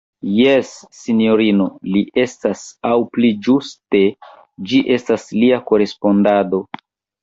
Jes, sinjorino, li estas; aŭ pli ĝuste, ĝi estas lia korespondado.